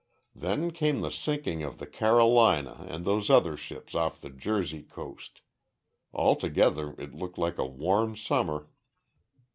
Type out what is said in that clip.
Then came the sinking of the Carolina and those other ships off the Jersey coast. Altogether it looked like a warm summer.